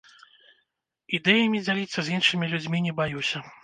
Ідэямі дзяліцца з іншымі людзьмі не баюся.